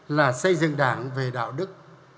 là xây dựng đảng về đạo đức